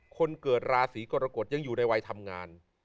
คนเกิดราศีกรกฎยังอยู่ในวัยทำงาน